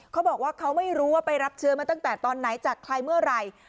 เขาบอกว่าเขาไม่รู้ว่าไปรับเชื้อมาตั้งแต่ตอนไหนจากใครเมื่อไหร่